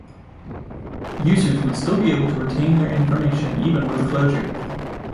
Users would still be able to retain their information even with the closure.